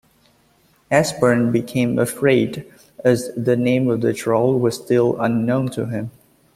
Esbern became afraid, as the name of the troll was still unknown to him.